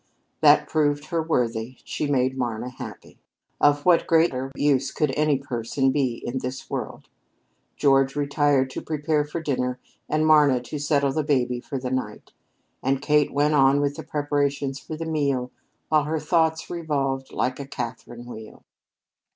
That proved her worthy; she made Marna happy! Of what greater use could any person be in this world? George retired to prepare for dinner, and Marna to settle the baby for the night, and Kate went on with the preparations for the meal, while her thoughts revolved like a Catherine wheel.